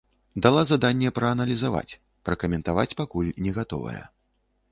Дала заданне прааналізаваць, пракаментаваць пакуль не гатовая.